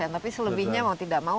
tapi selebihnya mau tidak mau